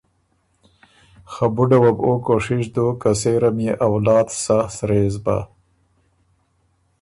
خه بُډه وه بُو او کوشِش دوک که سېره ميې اولاد سۀ سرۀ يې سو بۀ،